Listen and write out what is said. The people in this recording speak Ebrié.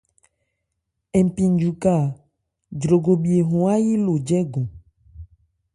Npi njuka, Jrogobhye hɔn áyi lo jɛ́gɔn.